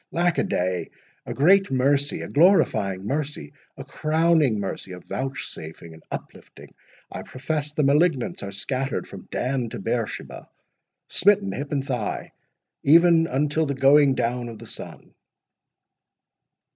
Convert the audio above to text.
—Lack a day! a great mercy—a glorifying mercy—a crowning mercy—a vouchsafing—an uplifting—I profess the malignants are scattered from Dan to Beersheba—smitten, hip and thigh, even until the going down of the sun!"